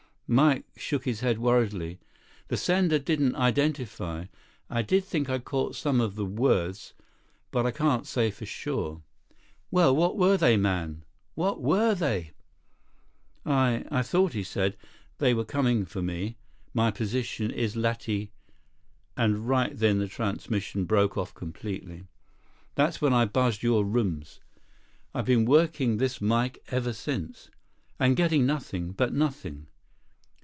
Mike shook his head worriedly. "The sender didn't identify. I did think I caught some of the words, but I can't say for sure—" "Well, what were they, man? What were they?" 44 "I—I thought he said, 'They're coming for me.... My position is lati—' And right then transmission broke off completely. That's when I buzzed your rooms. I've been working this mike ever since. And getting nothing. But nothing."